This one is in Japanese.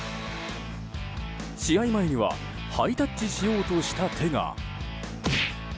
試合前にはハイタッチしようとした手が。